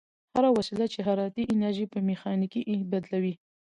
هره وسیله چې حرارتي انرژي په میخانیکي بدلوي.